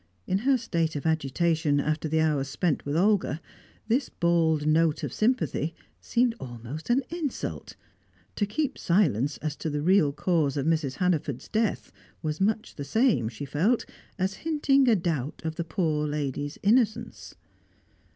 In her state of agitation after the hours spent with Olga, this bald note of sympathy seemed almost an insult; to keep silence as to the real cause of Mrs. Hannaford's death was much the same, she felt, as hinting a doubt of the poor lady's innocence.